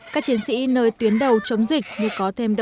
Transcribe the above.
các chiến sĩ nơi tuyến đầu chống dịch